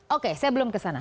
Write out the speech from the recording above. oke saya belum kesana